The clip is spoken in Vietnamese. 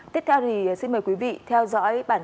tiếp theo thì sẽ là những bài hát của các bạn